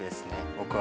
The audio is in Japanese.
僕は。